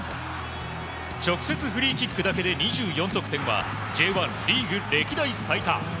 直接フリーキックだけで２４得点はＪ１リーグ歴代最多。